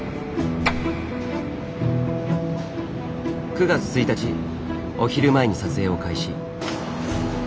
９月１日お昼前に撮影を開始。